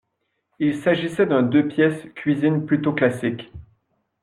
Il s’agissait d’un deux-pièces cuisine plutôt classique.